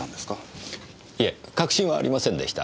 いえ確信はありませんでした。